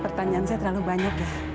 pertanyaan saya terlalu banyak ya